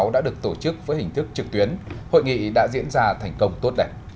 đã được tổ chức với hình thức trực tuyến hội nghị đã diễn ra thành công tốt đẹp